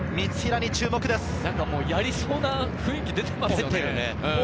何かやりそうな雰囲気が出ていますよね。